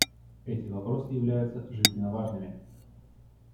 Эти вопросы являются жизненно важными.